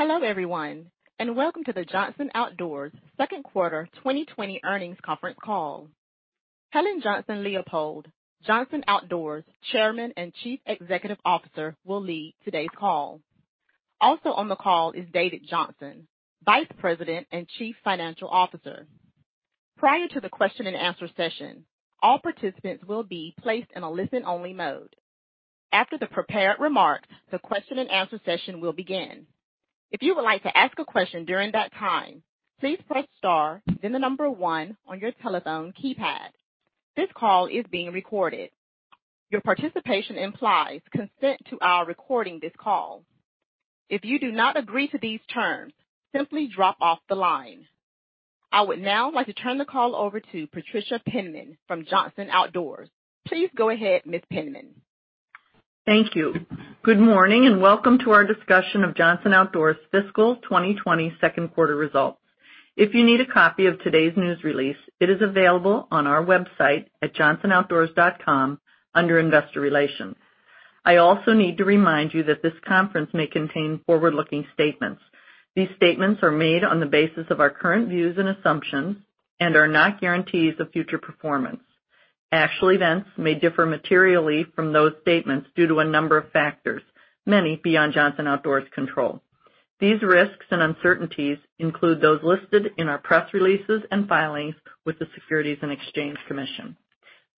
Hello, everyone, and welcome to the Johnson Outdoors Q2 2020 Earnings Conference Call. Helen Johnson-Leipold, Johnson Outdoors Chairman and Chief Executive Officer, will lead today's call. Also on the call is David Johnson, Vice President and Chief Financial Officer. Prior to the question and answer session, all participants will be placed in a listen-only mode. After the prepared remarks, the question and answer session will begin. If you would like to ask a question during that time, please press star, then the number one on your telephone keypad. This call is being recorded. Your participation implies consent to our recording this call. If you do not agree to these terms, simply drop off the line. I would now like to turn the call over to Patricia Penman from Johnson Outdoors. Please go ahead, Ms. Penman. Thank you. Good morning, welcome to our discussion of Johnson Outdoors' fiscal 2020 Q2 results. If you need a copy of today's news release, it is available on our website at johnsonoutdoors.com under Investor Relations. I also need to remind you that this conference may contain forward-looking statements. These statements are made on the basis of our current views and assumptions and are not guarantees of future performance. Actual events may differ materially from those statements due to a number of factors, many beyond Johnson Outdoors' control. These risks and uncertainties include those listed in our press releases and filings with the Securities and Exchange Commission.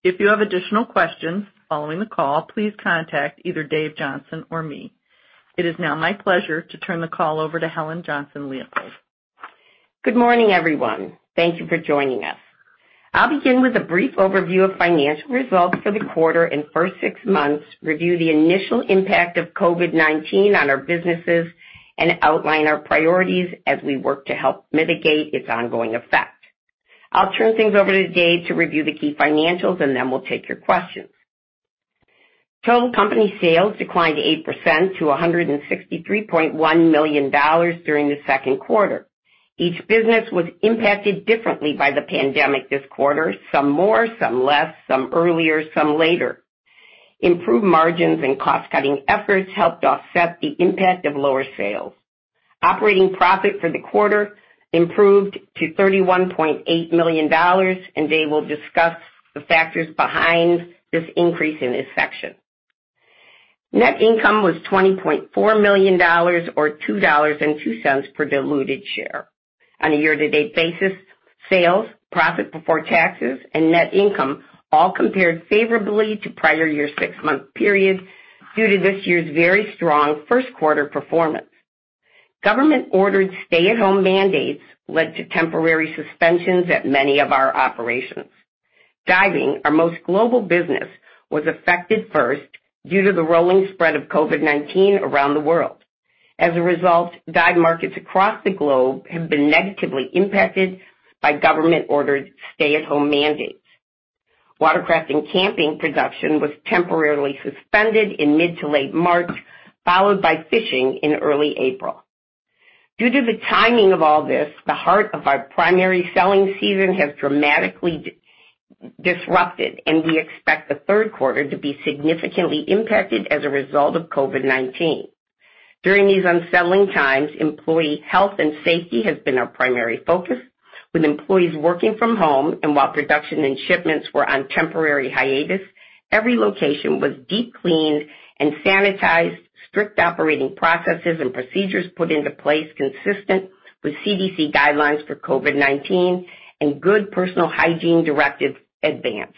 If you have additional questions following the call, please contact either Dave Johnson or me. It is now my pleasure to turn the call over to Helen Johnson-Leipold. Good morning, everyone. Thank you for joining us. I'll begin with a brief overview of financial results for the quarter and first six months, review the initial impact of COVID-19 on our businesses, and outline our priorities as we work to help mitigate its ongoing effect. I'll turn things over to Dave to review the key financials, and then we'll take your questions. Total company sales declined 8% to $163.1 million during the Q2. Each business was impacted differently by the pandemic this quarter, some more, some less, some earlier, some later. Improved margins and cost-cutting efforts helped offset the impact of lower sales. Operating profit for the quarter improved to $31.8 million, and Dave will discuss the factors behind this increase in this section. Net income was $20.4 million or $2.02 per diluted share. On a year-to-date basis, sales, profit before taxes, and net income all compared favorably to prior year six-month periods due to this year's very strong Q1 performance. Government-ordered stay-at-home mandates led to temporary suspensions at many of our operations. Diving, our most global business, was affected first due to the rolling spread of COVID-19 around the world. As a result, dive markets across the globe have been negatively impacted by government-ordered stay-at-home mandates. Watercraft and camping production was temporarily suspended in mid to late March, followed by fishing in early April. Due to the timing of all this, the heart of our primary selling season has dramatically disrupted, and we expect the Q3 to be significantly impacted as a result of COVID-19. During these unsettling times, employee health and safety has been our primary focus, with employees working from home and while production and shipments were on temporary hiatus, every location was deep cleaned and sanitized, strict operating processes and procedures put into place consistent with CDC guidelines for COVID-19, and good personal hygiene directives advanced.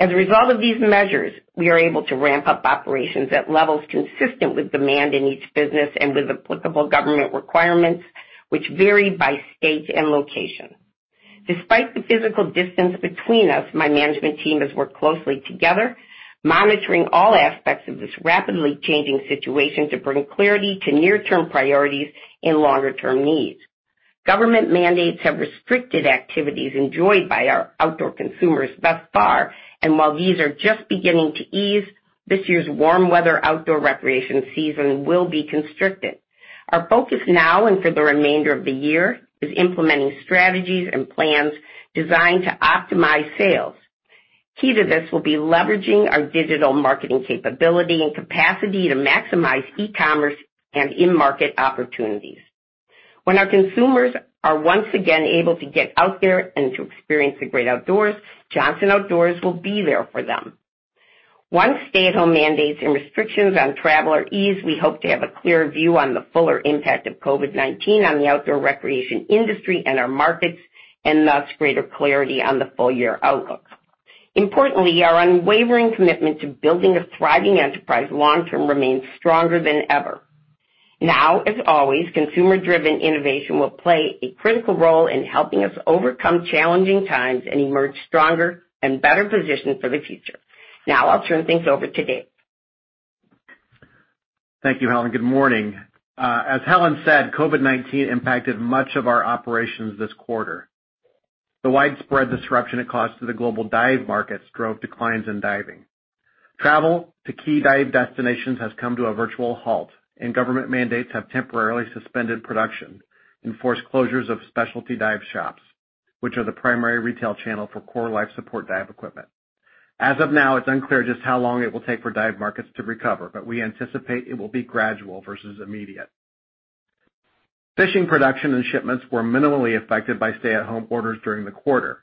As a result of these measures, we are able to ramp up operations at levels consistent with demand in each business and with applicable government requirements, which vary by state and location. Despite the physical distance between us, my management team has worked closely together, monitoring all aspects of this rapidly changing situation to bring clarity to near-term priorities and longer-term needs. Government mandates have restricted activities enjoyed by our outdoor consumers thus far, and while these are just beginning to ease, this year's warm weather outdoor recreation season will be constricted. Our focus now and for the remainder of the year is implementing strategies and plans designed to optimize sales. Key to this will be leveraging our digital marketing capability and capacity to maximize e-commerce and in-market opportunities. When our consumers are once again able to get out there and to experience the great outdoors, Johnson Outdoors will be there for them. Once stay-at-home mandates and restrictions on travel are eased, we hope to have a clearer view on the fuller impact of COVID-19 on the outdoor recreation industry and our markets, and thus greater clarity on the full-year outlook. Importantly, our unwavering commitment to building a thriving enterprise long term remains stronger than ever. Now, as always, consumer-driven innovation will play a critical role in helping us overcome challenging times and emerge stronger and better positioned for the future. I'll turn things over to Dave. Thank you, Helen. Good morning. As Helen said, COVID-19 impacted much of our operations this quarter. The widespread disruption it caused to the global dive markets drove declines in diving. Travel to key dive destinations has come to a virtual halt, and government mandates have temporarily suspended production and forced closures of specialty dive shops, which are the primary retail channel for core life support dive equipment. As of now, it's unclear just how long it will take for dive markets to recover, but we anticipate it will be gradual versus immediate. Fishing production and shipments were minimally affected by stay-at-home orders during the quarter.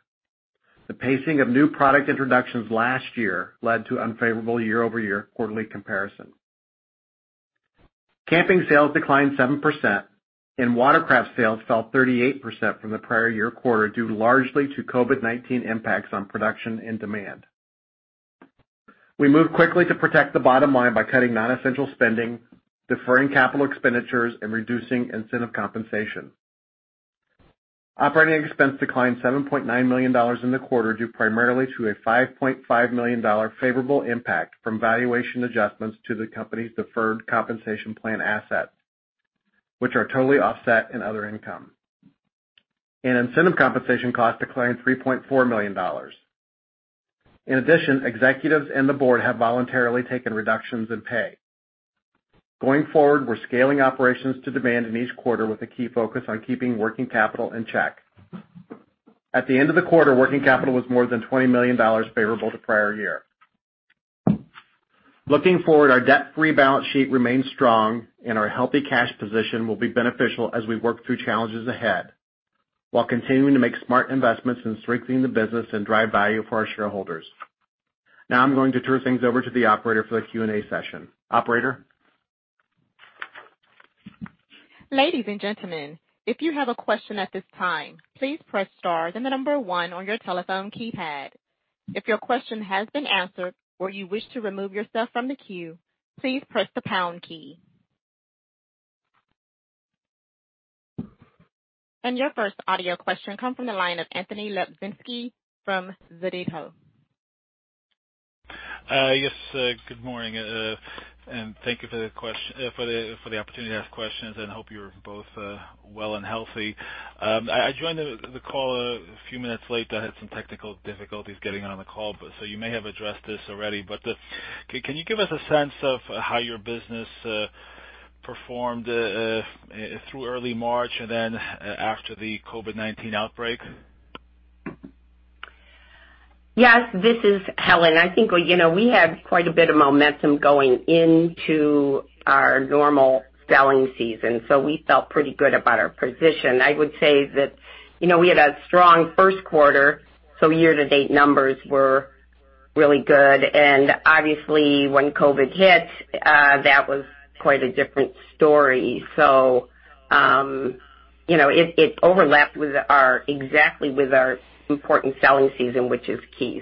The pacing of new product introductions last year led to unfavorable year-over-year quarterly comparison. Camping sales declined 7%. Watercraft sales fell 38% from the prior year quarter, due largely to COVID-19 impacts on production and demand. We moved quickly to protect the bottom line by cutting non-essential spending, deferring capital expenditures, and reducing incentive compensation. Operating expense declined $7.9 million in the quarter, due primarily to a $5.5 million favorable impact from valuation adjustments to the company's deferred compensation plan assets, which are totally offset in other income. Incentive compensation costs declined $3.4 million. In addition, executives and the board have voluntarily taken reductions in pay. Going forward, we're scaling operations to demand in each quarter with a key focus on keeping working capital in check. At the end of the quarter, working capital was more than $20 million favorable to prior year. Looking forward, our debt-free balance sheet remains strong, and our healthy cash position will be beneficial as we work through challenges ahead while continuing to make smart investments in strengthening the business and drive value for our shareholders. Now I'm going to turn things over to the operator for the Q&A session. Operator? Ladies and gentlemen, if you have a question at this time, please press star then the number one on your telephone keypad. If your question has been answered or you wish to remove yourself from the queue, please press the pound key. Your first audio question comes from the line of Anthony Lebiedzinski from Sidoti. Yes, good morning. Thank you for the opportunity to ask questions. Hope you're both well and healthy. I joined the call a few minutes late. I had some technical difficulties getting on the call. You may have addressed this already. Can you give us a sense of how your business performed through early March and then after the COVID-19 outbreak? Yes, this is Helen. I think we had quite a bit of momentum going into our normal selling season, so we felt pretty good about our position. I would say that we had a strong Q1, so year-to-date numbers were really good. Obviously, when COVID hit, that was quite a different story. It overlapped exactly with our important selling season, which is key.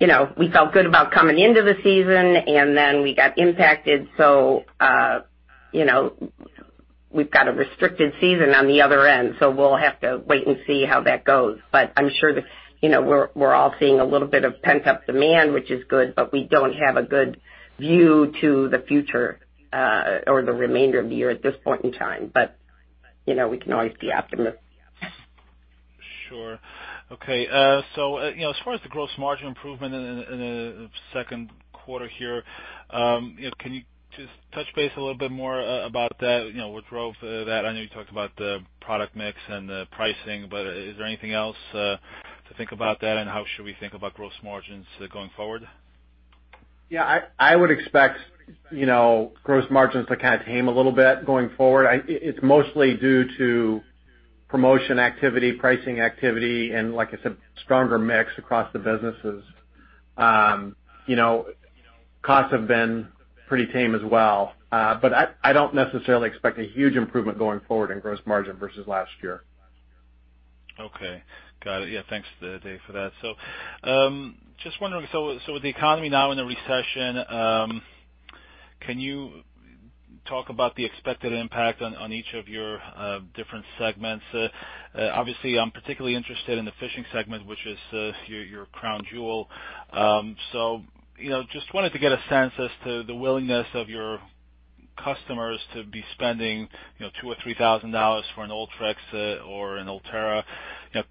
We felt good about coming into the season, and then we got impacted. We've got a restricted season on the other end, so we'll have to wait and see how that goes. I'm sure that we're all seeing a little bit of pent-up demand, which is good, but we don't have a good view to the future, or the remainder of the year at this point in time. We can always be optimists. Sure. Okay. As far as the gross margin improvement in the Q2 here, can you just touch base a little bit more about that? What drove that? I know you talked about the product mix and the pricing, but is there anything else to think about that, and how should we think about gross margins going forward? Yeah, I would expect gross margins to kind of tame a little bit going forward. It's mostly due to promotion activity, pricing activity, and like I said, stronger mix across the businesses. Costs have been pretty tame as well. I don't necessarily expect a huge improvement going forward in gross margin versus last year. Okay. Got it. Yeah, thanks, Dave, for that. Just wondering, with the economy now in a recession, can you talk about the expected impact on each of your different segments? Obviously, I'm particularly interested in the fishing segment, which is your crown jewel. Just wanted to get a sense as to the willingness of your customers to be spending $2,000 or $3,000 for an Ultrex or an Ulterra.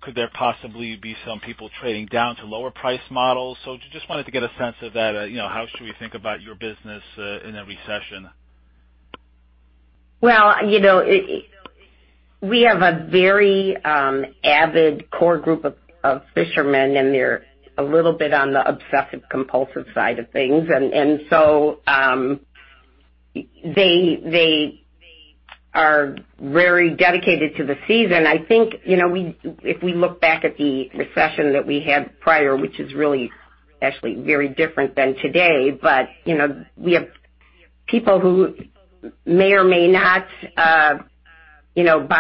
Could there possibly be some people trading down to lower price models? Just wanted to get a sense of that. How should we think about your business in a recession? Well, we have a very avid core group of fishermen, and they're a little bit on the obsessive compulsive side of things. They are very dedicated to the season. I think, if we look back at the recession that we had prior, which is really, actually very different than today, but we have people who may or may not buy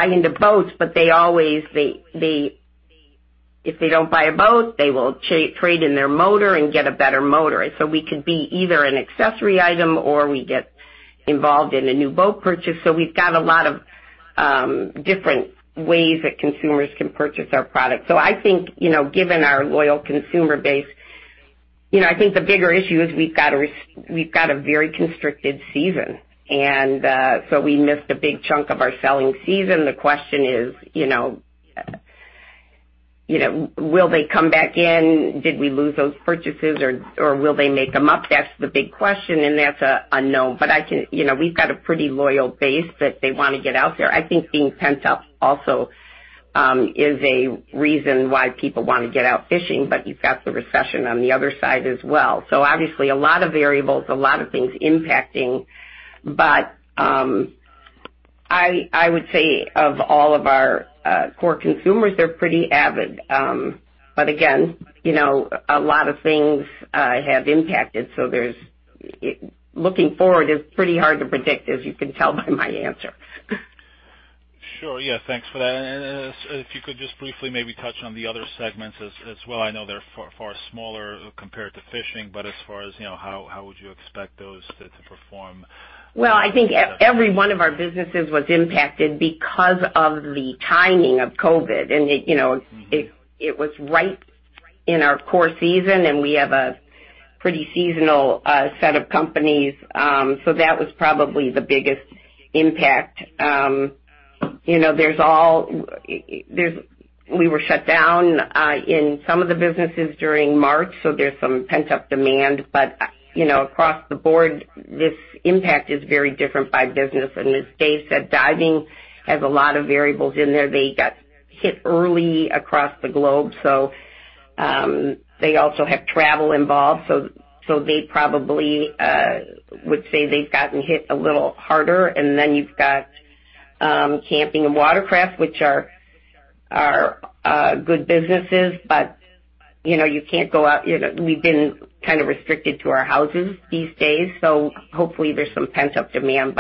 into boats, but if they don't buy a boat, they will trade in their motor and get a better motor. We could be either an accessory item or we get involved in a new boat purchase. We've got a lot of different ways that consumers can purchase our product. I think, given our loyal consumer base, I think the bigger issue is we've got a very constricted season. We missed a big chunk of our selling season. The question is, will they come back in? Did we lose those purchases, or will they make them up? That's the big question, that's unknown. We've got a pretty loyal base that they want to get out there. I think being pent up also is a reason why people want to get out fishing, but you've got the recession on the other side as well. Obviously a lot of variables, a lot of things impacting. I would say of all of our core consumers, they're pretty avid. Again, a lot of things have impacted. Looking forward, it's pretty hard to predict, as you can tell by my answer. Sure. Yeah, thanks for that. If you could just briefly maybe touch on the other segments as well. I know they're far smaller compared to fishing, but as far as how would you expect those to perform? Well, I think every one of our businesses was impacted because of the timing of COVID. It was right in our core season, and we have a pretty seasonal set of companies. That was probably the biggest impact. We were shut down in some of the businesses during March, so there's some pent-up demand. Across the board, this impact is very different by business. As Dave said, diving has a lot of variables in there. They got hit early across the globe. They also have travel involved, so they probably would say they've gotten hit a little harder. You've got camping and watercraft, which are good businesses, but you can't go out. We've been kind of restricted to our houses these days, so hopefully there's some pent-up demand.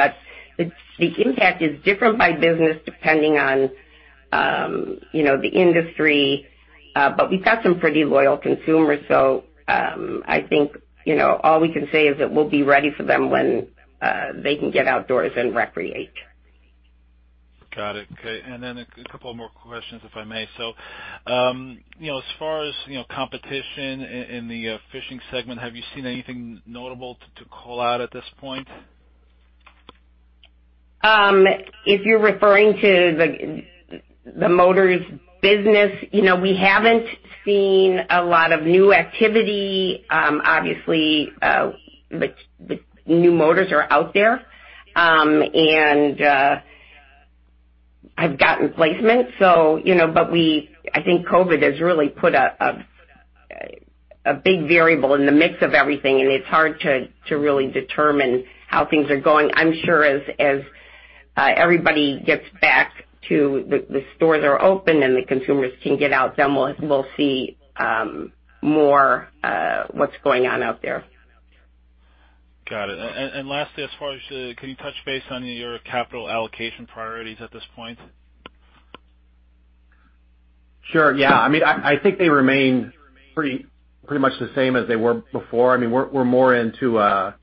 The impact is different by business depending on the industry. We've got some pretty loyal consumers, I think all we can say is that we'll be ready for them when they can get outdoors and recreate. Got it. Okay. A couple more questions, if I may. As far as competition in the fishing segment, have you seen anything notable to call out at this point? If you're referring to the motors business, we haven't seen a lot of new activity. Obviously, new motors are out there, and have gotten placement. I think COVID has really put a big variable in the mix of everything, and it's hard to really determine how things are going. I'm sure as everybody gets back, the stores are open and the consumers can get out, then we'll see more what's going on out there. Got it. Lastly, can you touch base on your capital allocation priorities at this point? Sure, yeah. I think they remain pretty much the same as they were before. We're more into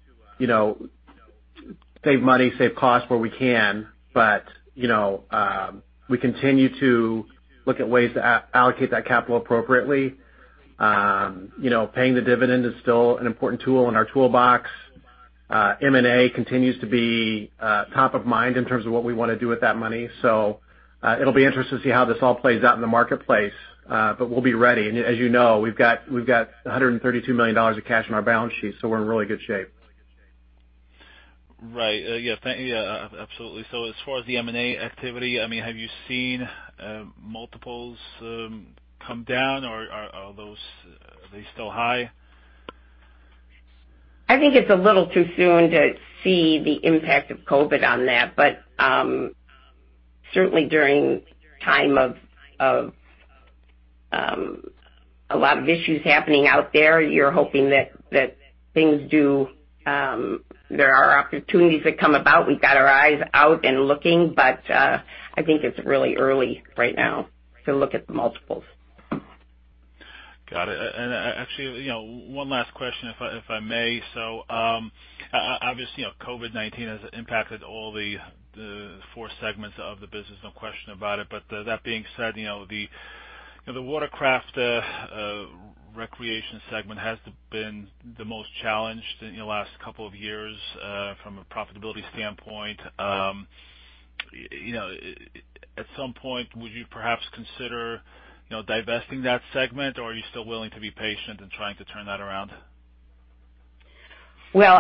save money, save costs where we can. We continue to look at ways to allocate that capital appropriately. Paying the dividend is still an important tool in our toolbox. M&A continues to be top of mind in terms of what we want to do with that money. It'll be interesting to see how this all plays out in the marketplace. We'll be ready. As you know, we've got $132 million of cash on our balance sheet, so we're in really good shape. Right. Yeah. Absolutely. As far as the M&A activity, have you seen multiples come down, or are they still high? I think it's a little too soon to see the impact of COVID on that. Certainly during time of a lot of issues happening out there, you're hoping that there are opportunities that come about. We've got our eyes out and looking, but I think it's really early right now to look at the multiples. Actually, one last question, if I may. Obviously, COVID-19 has impacted all the four segments of the business, no question about it. That being said, the watercraft recreation segment has been the most challenged in the last couple of years from a profitability standpoint. At some point, would you perhaps consider divesting that segment, or are you still willing to be patient in trying to turn that around? Well,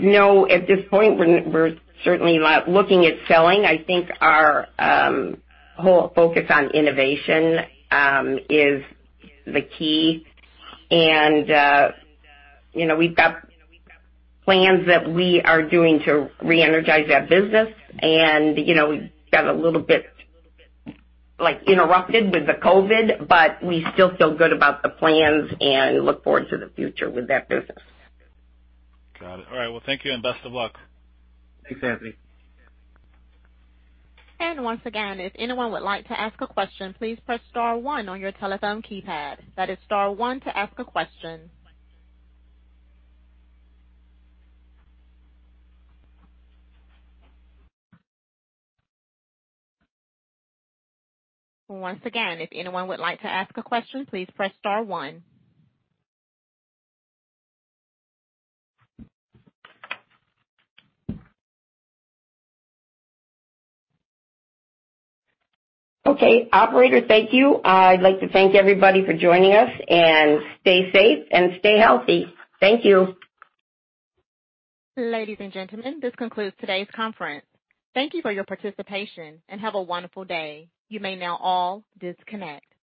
no, at this point, we're certainly not looking at selling. I think our whole focus on innovation is the key. We've got plans that we are doing to re-energize that business. We got a little bit interrupted with the COVID, but we still feel good about the plans and look forward to the future with that business. Got it. All right. Well, thank you and best of luck. Thanks, Anthony. Once again, if anyone would like to ask a question, please press star one on your telephone keypad. That is star one to ask a question. Once again, if anyone would like to ask a question, please press star one. Okay. Operator, thank you. I'd like to thank everybody for joining us. Stay safe and stay healthy. Thank you. Ladies and gentlemen, this concludes today's conference. Thank you for your participation and have a wonderful day. You may now all disconnect.